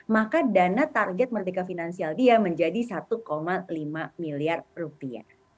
maka dana target merdeka finansial dia menjadi satu lima miliar rupiah